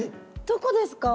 どこですか？